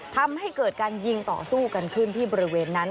ทำให้เกิดการยิงต่อสู้กันขึ้นที่บริเวณนั้น